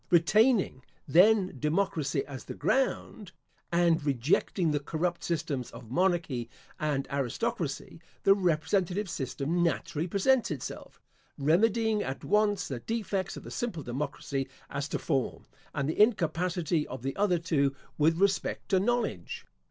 Retaining, then, democracy as the ground, and rejecting the corrupt systems of monarchy and aristocracy, the representative system naturally presents itself; remedying at once the defects of the simple democracy as to form, and the incapacity of the other two with respect to knowledge.